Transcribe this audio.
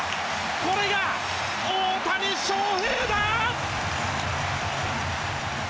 これが大谷翔平だ！